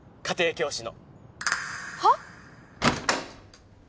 家庭教師のはっ？